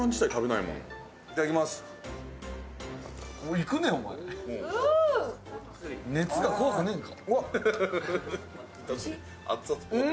いくね、熱が怖くねえのか。